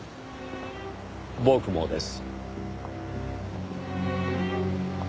僕もです。